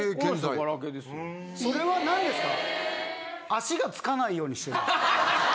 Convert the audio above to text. それは何ですか？